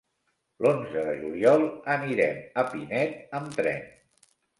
L'onze de juliol anirem a Pinet amb tren.